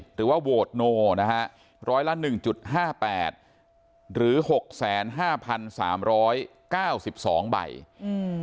หรือว่าโหวตโนนะฮะร้อยละหนึ่งจุดห้าแปดหรือหกแสนห้าพันสามร้อยเก้าสิบสองใบอืม